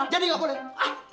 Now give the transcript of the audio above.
jadi gak boleh